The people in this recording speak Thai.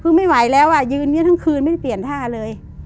คือไม่ไหวแล้วอ่ะยืนนี้ทั้งคืนไม่ได้เปลี่ยนท่าเลย